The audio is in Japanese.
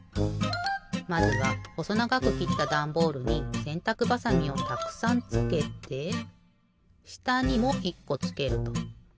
まずはほそながくきったダンボールにせんたくばさみをたくさんつけてしたにも１こつけると。